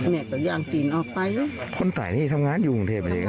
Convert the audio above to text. แม่ก็อย่างกินออกไปคนไทยนี่ทำงานอยู่กับเทพฯเหมือนเทพฯ